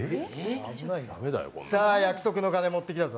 さぁ、約束の金、持ってきたぞ。